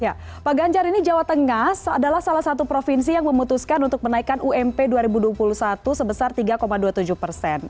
ya pak ganjar ini jawa tengah adalah salah satu provinsi yang memutuskan untuk menaikkan ump dua ribu dua puluh satu sebesar tiga dua puluh tujuh persen